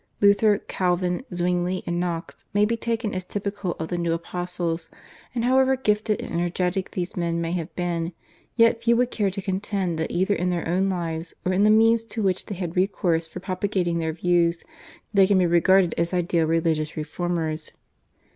Luther, Calvin, Zwingli, and Knox may be taken as typical of the new apostles, and however gifted and energetic these men may have been, yet few would care to contend that either in their own lives or in the means to which they had recourse for propagating their views they can be regarded as ideal religious reformers.